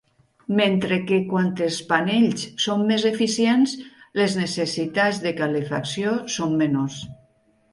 Mentre que quan els panells són més eficients, les necessitats de calefacció són menors.